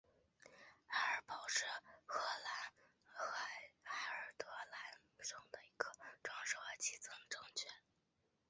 埃尔堡是荷兰海尔德兰省的一个城市和基层政权。